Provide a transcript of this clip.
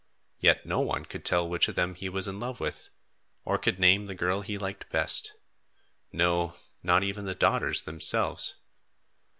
Yet no one could tell which of them he was in love with, or could name the girl he liked best; no, not even the daughters themselves.